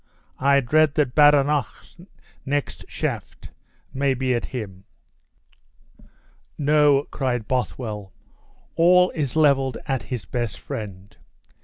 I dread that Badenoch's next shaft may be at him!" "No," cried Bothwell, "all is leveled at his best friend.